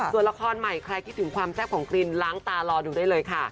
ส่วนละครใหม่ใครคิดถึงความแซ่บของกรีนล้างตารอดูได้เลยค่ะ